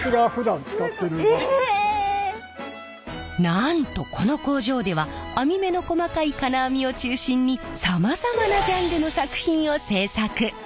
なんとこの工場では網目の細かい金網を中心にさまざまなジャンルの作品を制作！